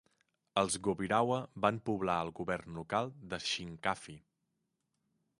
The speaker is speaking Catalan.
Els gobirawa van poblar el govern local de Shinkafi.